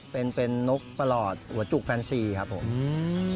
เป็นนกปลอดหัวจุกแฟนซีครับผม